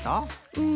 うん。